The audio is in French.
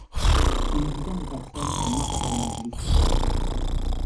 Une dizaine de personnes sont mortellement blessées.